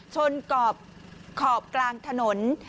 ชนกอบขอบกลางถนน